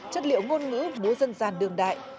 chất liệu ngôn ngữ bố dân gian đương đại